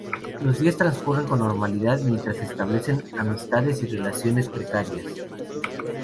Los días transcurren con normalidad mientras se establecen amistades y relaciones precarias.